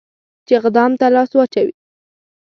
چې اقدام ته لاس واچوي.